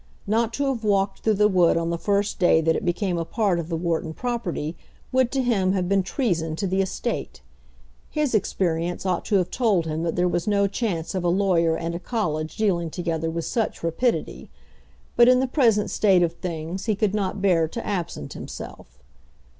Not to have walked through the wood on the first day that it became a part of the Wharton property would to him have been treason to the estate. His experience ought to have told him that there was no chance of a lawyer and a college dealing together with such rapidity; but in the present state of things he could not bear to absent himself.